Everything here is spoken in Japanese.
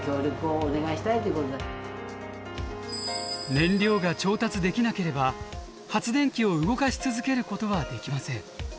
燃料が調達できなければ発電機を動かし続けることはできません。